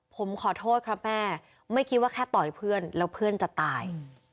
ผมขอโทษครับแม่ไม่คิดว่าแค่ต่อยเพื่อนแล้วเพื่อนจะตาย